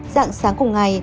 dặn sáng cùng ngày